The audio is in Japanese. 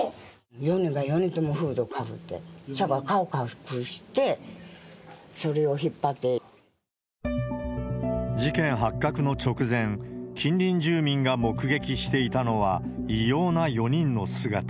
４人が４人ともフードかぶって、顔隠して、事件発覚の直前、近隣住民が目撃していたのは、異様な４人の姿。